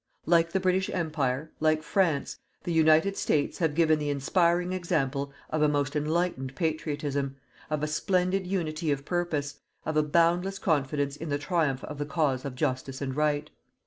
Like the British Empire, like France, the United States have given the inspiring example of a most enlightened patriotism, of a splendid unity of purpose, of a boundless confidence in the triumph of the cause of Justice and Right.